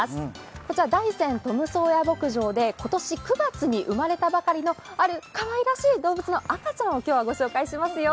こちら大山トム・ソーや牧場で今年９月に生まれたばかりのあるかわいらしい双子の赤ちゃんを御紹介しますよ。